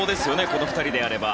この２人であれば。